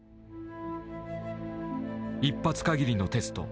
「一発限りのテスト。